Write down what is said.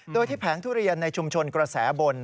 โดยที่แผงทุเรียนในชุมชนกระแสบน